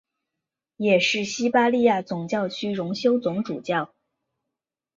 也是巴西利亚总教区荣休总主教。